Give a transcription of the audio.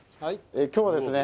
今日はですね